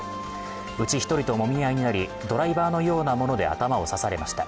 うち１人ともみ合いになり、ドライバーのようなもので頭を刺されました。